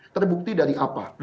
terbukti dari apa